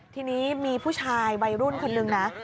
ทีนี้มีผู้ชายวัยรุ่นคนนึงนะ